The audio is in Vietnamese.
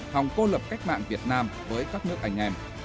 hòng cô lập cách mạng việt nam với các nước anh em